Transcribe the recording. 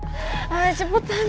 cepetan cepetan sak